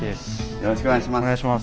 よろしくお願いします。